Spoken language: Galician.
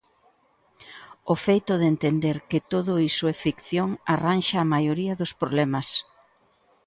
O feito de entender que todo iso é ficción, arranxa a maioría dos problemas.